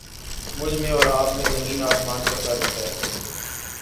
مجھ میں اور آپ میں زمیں آسمان کا فرق ہے